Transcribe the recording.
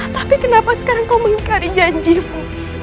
tapi kenapa sekarang kau mengingkari janjimu